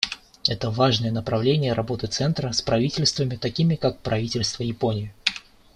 Это — важное направление работы Центра с правительствами, такими как правительство Японии.